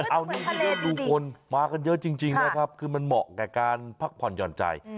อันนี้ที่เริ่มดูคนมากันเยอะจริงนะครับคือมันเหมาะกับการพักผ่อนหย่อนใจ